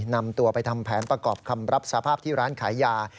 นำตัวไปทำแผนประกอบคำรับสภาพที่ร้านขายยา